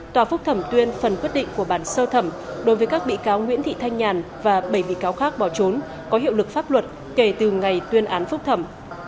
tòa phúc thẩm tuyên phần quyết định của bản sơ thẩm đối với các bị cáo nguyễn thị thanh nhàn và bảy bị cáo khác bỏ trốn có hiệu lực pháp luật kể từ ngày tuyên án phúc thẩm